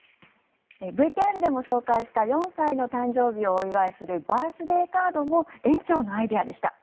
ＶＴＲでも紹介した４歳の誕生日をお祝いするバースデーカードも園長のアイデアでした。